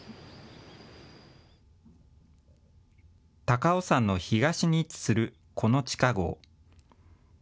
高尾山の東に位置するこの地下ごう。